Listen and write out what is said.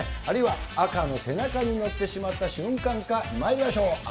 あるいは赤の背中に乗ってしまった瞬間か、まいりましょう。